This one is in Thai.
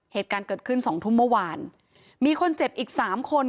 เหตุการณ์เกิดขึ้นสองทุ่มเมื่อวานมีคนเจ็บอีกสามคน